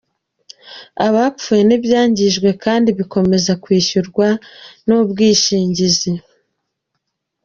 Abapfuye n’ibyangijwe kandi bikomeza kwishyurwa n’ubwishingizi.